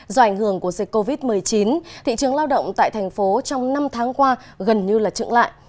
do ảnh hưởng của dịch covid một mươi chín thị trường lao động tại thành phố trong năm tháng qua gần như trứng lại